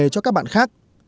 cho các bạn khác